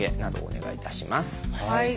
はい。